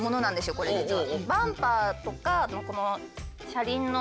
これ実は。